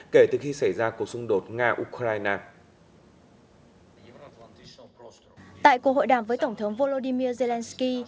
kể từ khi xảy ra cuộc xung đột nga ukraine tại cuộc hội đàm với tổng thống volodymyr zelensky